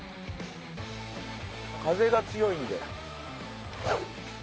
風が強いんで。